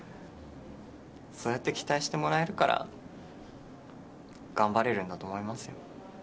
そうやって期待してもらえるから頑張れるんだと思いますよ。